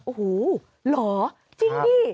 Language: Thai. โอ้โฮหรอจริงนี่